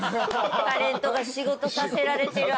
タレントが仕事させられてらあ。